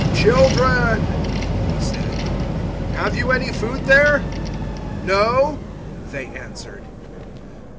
"Children," He said, "have you any food there?" "No," they answered.